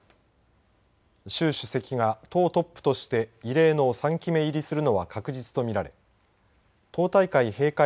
習主席が党トップとして異例の３期目入りするのは確実と見られ党大会閉会